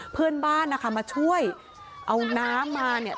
เพื่อนบ้านนะคะมาช่วยเอาน้ำมาเนี่ย